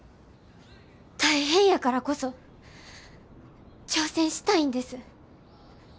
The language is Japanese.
大変やからこそ挑戦したいんです。